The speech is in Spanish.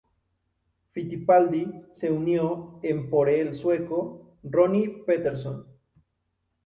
Fittipaldi se unió en por el sueco Ronnie Peterson.